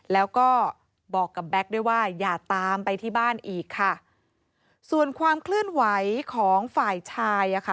แล้วก็บอกกับแก๊กด้วยว่าอย่าตามไปที่บ้านอีกค่ะส่วนความเคลื่อนไหวของฝ่ายชายอ่ะค่ะ